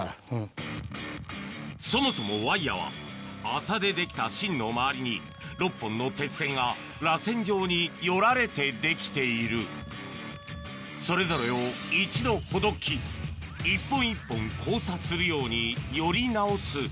そもそもワイヤは麻でできた芯の周りに６本の鉄線がらせん状によられてできているそれぞれを一度ほどき一本一本交差するようにより直す